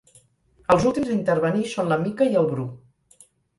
Els últims a intervenir són la Mica i el Bru.